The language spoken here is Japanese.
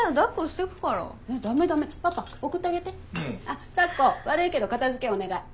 あっ咲子悪いけど片づけお願い。